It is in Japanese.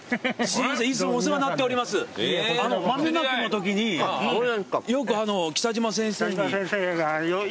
豆まきのときによく北島先生に。